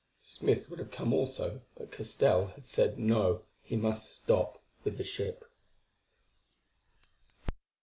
Smith would have come also; but Castell said No, he must stop with the ship.